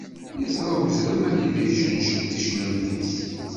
Iẓṛa uzrem anida iccencel ticlemt-is.